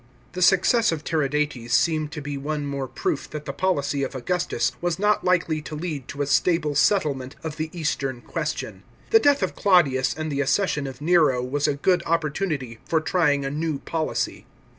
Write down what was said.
§ 7. The success of Tiridates seemed to be one more proof that the policy of Augustus was not likely to lead to a stable settle ment of the eastern question. The death of Claudius and the accession of Nero was a good opportunity for trying a new policy.